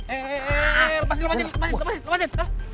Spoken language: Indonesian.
eh eh eh lepasin lepasin lepasin lepasin